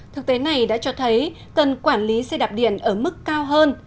thực tế này đã cho thấy cần quản lý xe đạp điện ở mức cao hơn